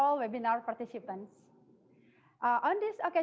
oke saya ingin pergi ke panel selanjutnya